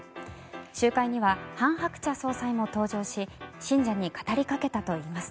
集会にはハン・ハクチャ総裁も登場し信者に語りかけたといいます。